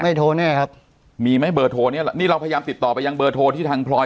โทรแน่ครับมีไหมเบอร์โทรเนี้ยนี่เราพยายามติดต่อไปยังเบอร์โทรที่ทางพลอย